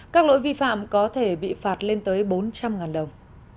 các lỗi vi phạm có thể bị phạt lên tới bốn trăm linh đồng